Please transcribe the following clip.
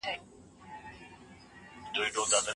عام افغانان په نړیوالو تړونونو کي برخه نه سي اخیستلای.